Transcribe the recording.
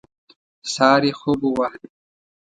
سهار یې خوب وواهه.